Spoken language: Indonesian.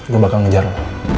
gue bakal ngejar lo